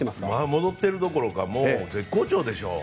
戻っているどころか絶好調でしょう。